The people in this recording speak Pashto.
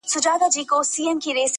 شخي- شخي به شملې وي -